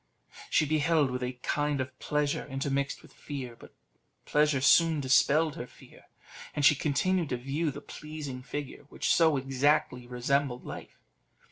She beheld with a kind of pleasure intermixed with fear, but pleasure soon dispelled her fear, and she continued to view the pleasing figure, which so exactly resembled life.